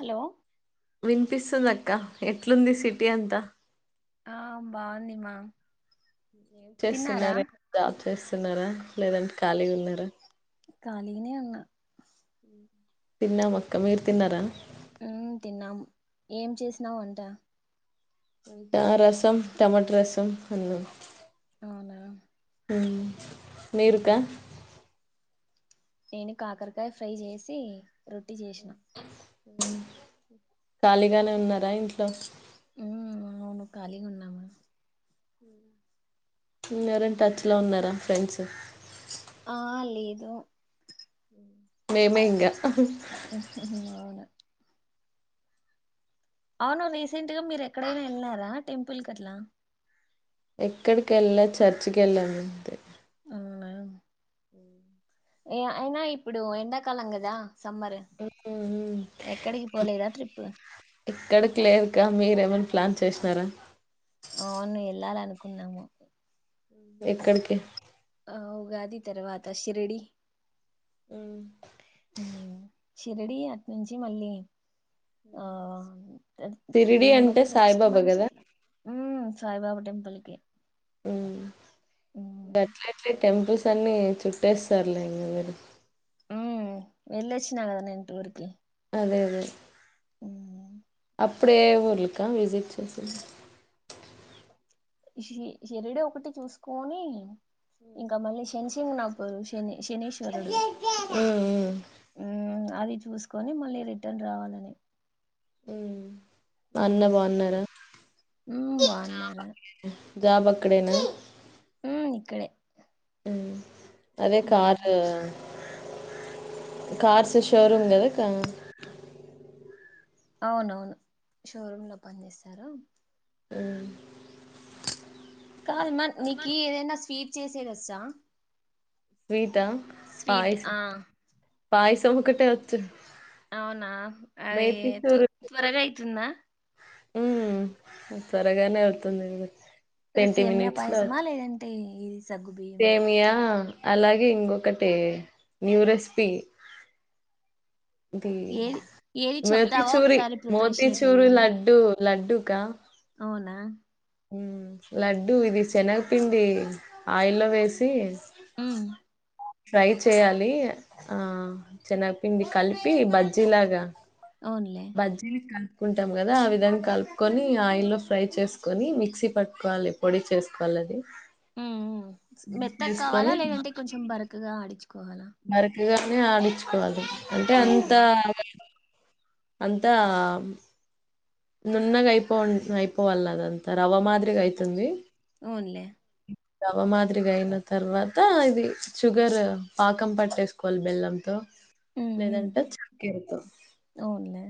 Hello వినిపిస్తుంది అక్క ఎట్లుంది సిటీ అంతా ఆ బాగుందిమ్మా ఏం చేస్తున్నారే జాబ్ చేస్ ఉన్నారా లేదంటే ఖాళీగా ఉన్నారా ఖాళీనే ఉన్న తిన్నమక్క మీరు తిన్నారా ఆ తిన్నాము ఏం చేసినావు వంట వంట రసం టమాటా రసం అన్నం అవునా ఉం మీరుకా ఉమ్ నేను కాకరకాయ ఫ్రై చేసి రొట్టి చేసిన ఖాళీగానే ఉన్నారా ఇంట్లో ఉ అవును ఖాళీగా ఉన్నామా ఇంగవరైనా టచ్ లో ఉన్నారా ఫ్రెండ్స్ ఆ లేదు మేమే ఇంగ అవునా అవును నీసెన్ సెట్గా మీరు ఎక్కడైనా వెళ్ళారా టెంపుల్ కట్లా ఎక్కడికి వెళ్ళ చర్చికి వెళ్ళానంతే అవునా అ ఏ అయినా ఇప్పుడు ఎండాకాలం కదా సమ్మర్ ఎక్కడికి పోలేదా ట్రిప్ ఇక్కడకి లేదుకా మీరేమ ప్లాన్ చేసినారా అవును వెళ్ళాలనుకున్నాము ఎక్కడకి ఉగాది తర్వాత శిర్డి ఉహు షిరిడి అట్నుంచి మళ్ళీ అ షిరిడి అంటే మల్లి నెక్స్ట్ సాయిబాబా మంత్ కదా అట్ల ఉమ్ సాయిబాబా టెంపుల్కి ఉమ్ గట్లా ఎట్ల టెంపుల్స్ అన్ని చుట్టేస్తారులే ఇంకా మీరు ఉమ్ వెళ్ళొచ్చినా కదా నేను టూర్ కి అదే అదే ఉ అప్పుడే ఊర్లక్కా విజిట్ చేసింది షి షిరిడి ఒకటి చూసుకొని ఇంకా మలేషిన్ చింగ్ణ పరుషని ఉమ్ ఉమ్ హ్మ్ అది చూసుకొని మళ్ళీ రిటర్న్ రావాలని ఉమ్ అన్న బాగున్నారా ఉ బా జాబ్ అక్కడేనా ఆక్కడే ఉమ్ అదే కాారు కార్స్ షోరూమ్ కదా క అవునవును షోరూమ్ లో పనిస్తారు ఉమ్ కాద మా నికి ఏదన్న స్వీట్ చేసేదచ్చా స్వీట్ తా పాయసం ఆ పయసం ఒక కటే వచ్చు అవునా అదే మేతి త చూరు త్వరగా అయితుంద ఉమ్ త్వరగానే అవుతుంధి ఇది సేమ్య పాయసమా లేదంటే ఈ సెమియా అలాగే ఇంకొకటి న్యూ రెసిపీ ఇ ఏది ఏది చెప్తావా మోతిచూరి ఒకసారి ప్రిపరేషన్ ఎట్లా మోతిచూరు చేయాలో లడ్డుూ లడ్డు కా అవునా ఉమ్ లడ్డుూ ఇది శనగపిండి ఆయిల్లో వేసి ఉమ్, ఫ్రై చేయాలి ఆ చిన్నగ పిండి కలిపి బజ్జీ లాగా అవునులే బజీ క కుంటాం కదా ఆ విధాంగా కలుపుకొని ఆయిల్ల్లో ఫ్రై చేసుకొని మిక్సీ పట్టుకోవాలి పొడి చేసుకోవాలి అది ఉమ్ ఉ పొడి మెత్తకు కావాలా చేసుకొని లేదంటే కొంచెం బరకగా ఆడిచు కో వా బరకగానే ఆడించుకోవాలి అంటే అంత అవునులే అంతా నున్నగా అయిపో అంట్నె అయిపోవాలన్నా అదంతా రవ్వ మాదిరిగా అయితుంది అవునులే రవ్వ మాదిరిగా అయిన తర్వాత ఇది షుగర్ పాకం పట్టేసుకోవాలి బెల్లంతో ఉమ్, ఉమ్. లేదంటే చెక్కర తో అవునులే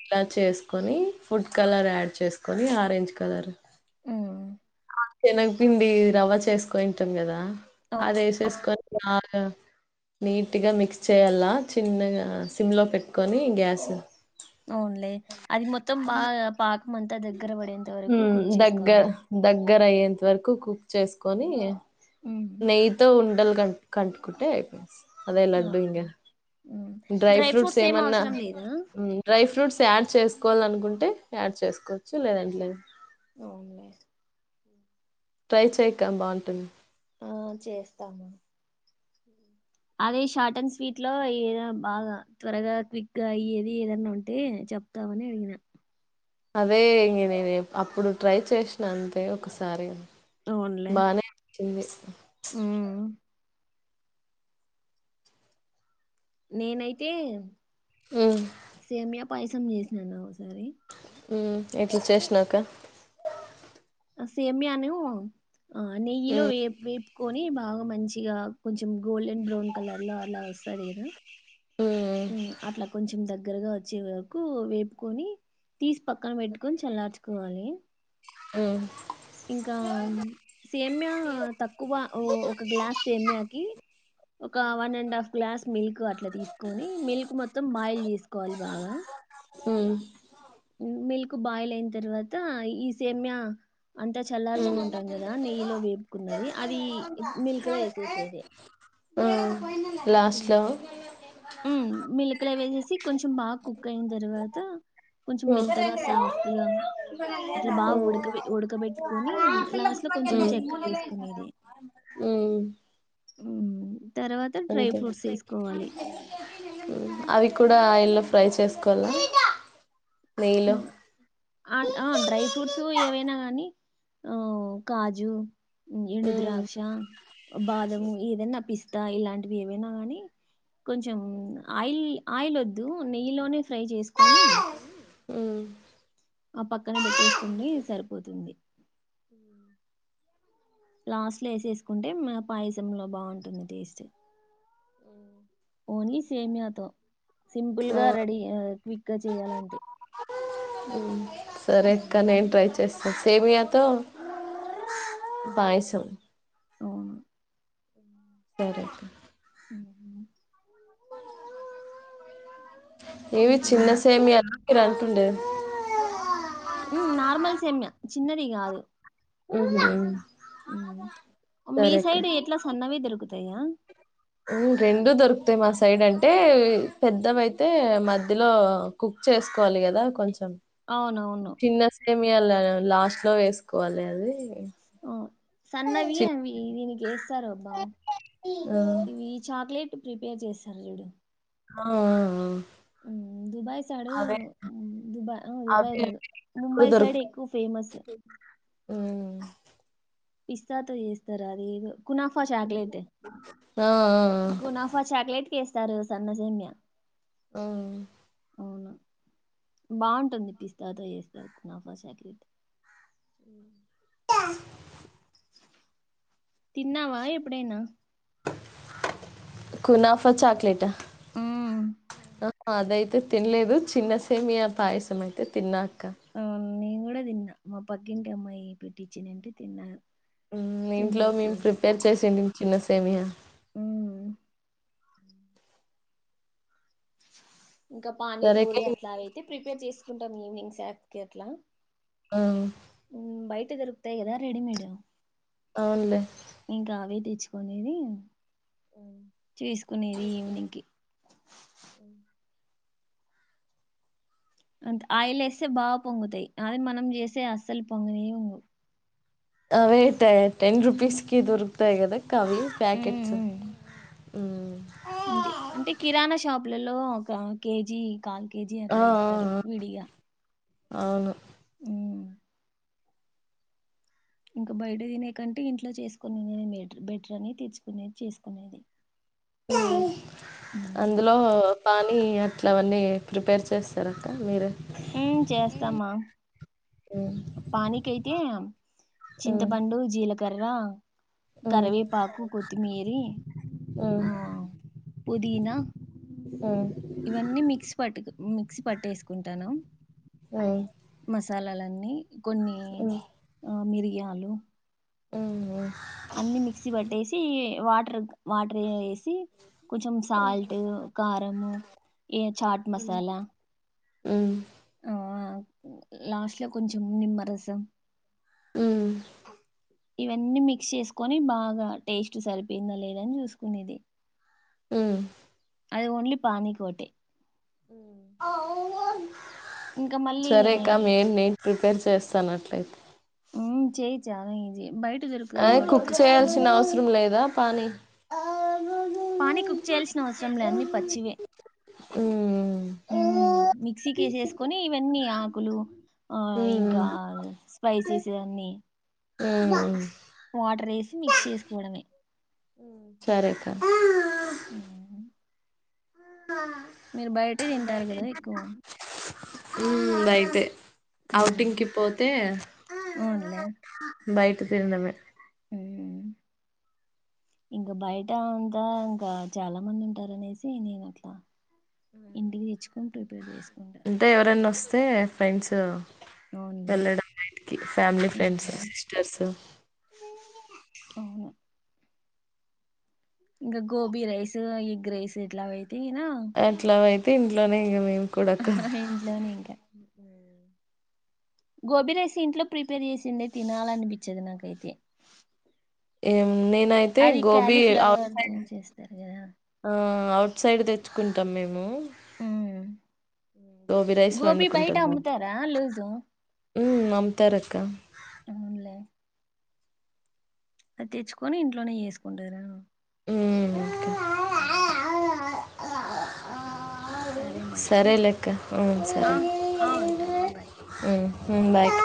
ఇలా చేసుకొని ఫుడ్ కలర్ యాడ్ చేసుకొని ఆరెంజ్ కలర్ ఉమ్. శనగపిండి రవ్వ చేసుకోనింటాం కదా అవు- అది యేసేసుకొని నీట్గా మిక్స్ చేయాలా చిన్నగా సిమ్ లో పెట్టుకొని గ్యాస్ అవున్లే అది మొత్తం బాగా పా ముద్ద ద దగ్గర పడేంత వరకు కుక్ చేసుకోవాలెమో దగ్గర అయ్యేంత వరకు కుక్ చేసుకొని ఉమ్. నెయితో ఉండల్ కలుపుకుంటే అయిపొయింది అదే లడ్డు అవునా ఇగ డ్రై ఫ్రూట్స్ ఏం ఏమన్నా అవసరం లేదా డ్రై ఫ్రూట్స్ యాడ్ యాడ్ చేసుకోవాల అనుకుంటే యాడ్ చేసుకోవచ్చు లేదంటె లేదు అవునులే ట్రై చేయక్క బాగుంటుంది ఆ చేస్తాము అదే షార్ట్ అండ్ స్వీట్ లో ఏదన్న బాగా త్వరగా క్విక్గా అయ్యేది ఏదన్నా ఉంటే చెప్తామని అడిగినా అదే ఇంగ నేను అప్పుడు ట్రై చేసిన అంతే ఒకసారి తోన్లే చీ మ్ నేనైతే ఉమ్ సేమియా పాయసం జేస్నాను అయ్ మ్ ఎట్లా చేసినవ్ అక్క సేమ్యాను ఆ నెయ్యిలో ఉమ్ వేపి కొని బాగా మంచిగా కొంచెం గోల్డెన్ బ్రౌన్ కలర్ లో అలా వస్తాది కదా ఉమ్ మ్ అట్లా కొంచెం దగ్ దగ్గరగా వచ్చే వరకు వేపుకొని తీసి పక్కన పెట్టుకొని చల్లార్చుకోవాలి మ్ ఇంకా సేమ్య తక్కువ ఒక గ్లాస్ సేమ్యాకి ఒక one and half glass milk అట్లా తీస్ కొని మిల్క్ మొత్తం బాయిల్ చేసుకోవాలి బాగా ఊమ్ మిల్క్ బాయిల్ అయిన తర్వాత, ఈ సేమ్య అంతా చల్లార్చుకుంటాం. కదా నెయ్యిలో వేపుకున్నది అది మిల్క్ లో వేసేసేది. లాస్ట్లో ఊమ్ మిలక్ లో వేసేసి కొంచెం బాగా కుక్ అయిన తర్వాత కొంచెం ఉమ్ మెత్తగా సాఫ్ట్గా అట్లా బాగా ఉడక ఉడకబెట్ కొని లాస్ట్ లో కొంచెం ఊమ్ చక్కెర వేసుకునేది ఊమ్ ఉం తర్వాత డ్రై అంతే ఫ్రూట్స్ ఏసుకోవాలి. ఉమ్ అవి కూడా ఎల్లో ఫ్రై చేస్కోవల్లా ఉ అన్ ఆ డ్రై ఫ్రూట్స్ ఏవైనా కానీ, ఆ కాజు, ఎండు ఉమ్ ద్రాక్ష, బాదము ఏదన్నా పిస్తా, ఇలాంటివి ఏవైనా కానీ, కొంచెం ఆయిల్ ఆయిల్ వద్దు నెయ్యిలోనే ఫ్రై చేసుకొని, ఉమ్ ఆ పక్కన పెట్టేసుకుని సరిపోతుంది లాస్ట్ లో వేసేసుకుంటే మా పాయసం లో బాగుంటుంది టేస్ట్ అవు ఓన్లీ సేమియాతో సింపుల్ ఆ గా రెడీ ఆ క్విక్ గా చేయాలంటే ఉమ్. సరే అక్క హ్మ్. నేను ట్రై చేస్ సేమియాతో పాయసం అవును. సరే ఊమ్ ఇవి చిన్న ఇంకేమో? సేమియాల కాలుతుండే ఉమ్ నార్మల్ సేమ్య చిన్నది కాదు ఉహు మీ సరే సైడ్ ఎట్లా సన్నవిదరుకుదు తయా ఉ రెండు దొరుకుతాయి. మా సైడ్ అంటే పెద్దవయితే మధ్యలో కుక్ చేసుకోవాలి కదా కొంచెం అవునవును చిన్న సెమీయ ఇల లాస్ట్ లో వేసుకోవాలి అది ఆవు సన్నవి చి అవి దీనికి ఏస్తారు అబ్బా ఆ ఇవి చాక్లెట్ ప్రిపేర్ చేస్తారు ఆ అ దుబాయ్ సైడ్ దుబా దుబయ్ అవే కాదు ఇప్పుడు ముంబై దొరుకు సైడ్ ఎక్కువ ఫేమస్ ఉమ్ పిస్తాతో చేస్తారు అదిదో ఆ ఆ ఆహ్ సర్లే సంగతేమియే అవున్ అవునా బాగుంటుంది పిస్తాతో చేస్తారు కునాఫా చాక్లెట్ తమ్ తిన్నావా ఎప్పుడైనా కునాఫ చాక్లేట ఉమ్ అదయితే తిన్లేదు చిన్నసేమియా పాయసం అయితే తిన్నా. కా అవును నేను కూడా తిన్నా. మా పక్కింటి అమ్మాయి పెట్టించినింటే తిన్నాను. ఉహ్మ్ ఇంట్లో చిన్నది మేము ప్రిపేర్ చేసిండి చిన్నద్ సేమియా ఉహ్ ఇంకా సరేకే పానీపూరి అట్లా అయితే ప్రిపేర్ చేసుకుంటాం ఈవినింగ్ స్నాకి అట్లా ఆహ్ ఉహ్ బయట ధోరుకుతయి కాదా రెడిమేడ్ అవునులే తెచ్చుకునేది చేసుకునేది ఈవినింగ్ కి అంతే ఆయిలే వేస్తే బాగా పొంగుతాయి. అదే మనం చేస్తే అస్సలు పొంగనే పొంగవ్ అవేయితే టెన్ రుపీస్ కి దొరుకుతాయి కదా ఆవి ప్యాకెట్స్ ఉహ్ పిల్లలో ఒక కేజీ కాల్ కేజీ ఆ ఆ అట్లా ఇస్తారు విడిగా అవును ఉమ్ ఇంకా బయట తినే కంటే ఇంట్లో చేసుకునే బెట్రు బెటర్ అని తేచ్చుకునేది చేసుకునేది. ఎయ ఉమ్ అందులో పానీ అట్లవన్నీ ప్రిపేర్ చేస్తారక్క మీరే ఉహ్మ్ చేస్తామా. మ్మ్ పనికైతే మ్మ్ చింతపండుూ, జీలక్ కర్ర మ్మ్ కరివేపాకు, కొత్తిమీరీ మ్మ్ ఆహ్ పుదీనా మ్మ్ మ్మ్ ఇవన్నీ మిక్సీ పట్టుక్ మిక్సీ పట్టేసుకుంటాను. మ్మ్ స్లలన్నీ కొన్ని ఆ మీరి యాలు ఓవో అన్ని మిక్సీ బట్టేసి వాటర్ వాటర్ వే [unintelligible] కొంచం సాల్ట్ కారం ఏ చాట్ మసాలా మ్మ్ మ్మ్ ఆ లాస్ట్ లో కొంచం నిమ్మరసం ఉమ్ ఇవన్నీ మిక్ షెస్కోని బాగా టేస్ట్ సరిపోయిందా లేదని చూసుకునేది ఆ అది ఓన్లీ పానీ కోటె ఉమ్ ఇంకా మళ్ళీ సరే కమ్ ఏం నెన్ ప్రిపేర్ చేస్తాన్ అట్లయితే ఉమ్ చేయి చాలా ఈజీ బైట్ అ కుక్ చేయాల్సిన అవసరం లేదా పానీ పాని కుక్ పానీ చేయల్స్ కుక్ నవ్సరంలే చేయాల్సిన అన్ని, అవసరం లేదు పచ్చివే ఉమ్ మిక్సీకేసేసుకొని పెన్నీ ఆకులు ఆ ఇంకా ఫై సేసేదాన్ని వాటర్ ఎసి మిక్స్ చేసుకోవడమే సరేక్క ఆ తింటారు కదా ఎక్కువ [unintelligible] ఉమ్ బయటే అఔటింగ్కి మ్మ్ పోతే అవునులే బయట తినడమే మ్మ్ ఇంకా బయట అంతా ఇంకా చాలా మంది ఉంటారునేసి నేను అట్లా ఇంటికి తెచ్చుకొని టూ టూ చేస్టీం వేస్కుంనుడే సే ఫైండ్స్తే వెళ్ళడం మా ఇంటికి ఫామలీ ఫ్రెండ్స్ ఉమ్, సిస్టర్స్ ఉ అవును ఇంకా గోబీ రైస్ ఎగ్ రైస్ ఇట్లా దినా దీంట్లోనే ఇం ఇంట్లోనే ఇంకా గోబీ రైస్ ఇంట్లో ప్రిపేర్ చేసిందే తినాలనిపించేది నాకైతే ఏమో నేనైతే అది గోబీ ఆ క్యాలీఫ్లవర్ తో చేస్తారు కదా సైడ్ తెచ్చుకుంటాం మేము ఉమ్. గోబీ రైస్ గోబీ బయట వండుకుంటుందా అమ్ముతారా లూజు ఉమ్ అమ్ముతార్అక్క అవునులే అది తెచ్చుకొని ఇంట్లోనే చేసుకుంటారా ఉమ్ అ సరేమా అయితే సరేలేెక్క ఉ సరే ఆ ఆ ఉంటామా బాయ్ ఉ ఉమ్ బాయ్ అక్